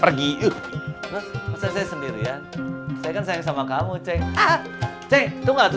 pergi lho saya sendiri ya saya kan sayang sama kamu cek cek tuh gak tuh cek